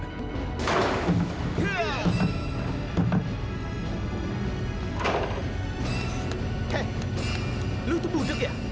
hei lu tuh budeg ya